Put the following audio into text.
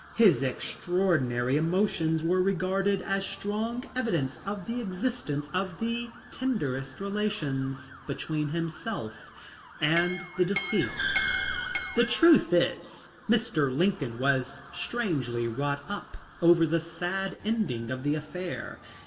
His extraordinary emotions were regarded as strong evidence of the existence of the tenderest relations between himself and the deceased." The truth is Mr. Lincoln was strangely wrought up over the sad ending of the affair.